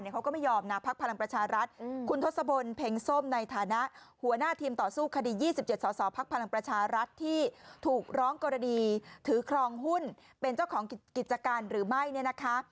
แต่ภาพนี้ไม่ใช่ภาพเรื่องหุ้นสือนะ